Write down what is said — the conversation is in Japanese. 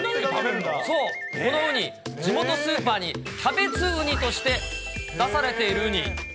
そう、このウニ、地元スーパーに、キャベツウニとして出されているウニ。